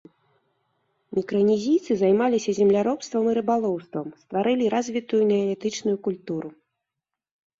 Мікранезійцы займаліся земляробствам і рыбалоўствам, стварылі развітую неалітычную культуру.